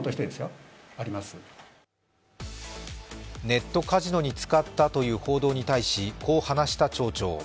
ネットカジノに使ったという報道に対しこう話した町長。